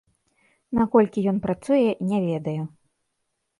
Наколькі ён працуе, не ведаю.